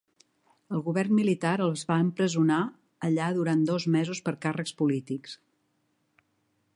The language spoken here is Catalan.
El govern militar els va empresonar allà durant dos mesos per càrrecs polítics.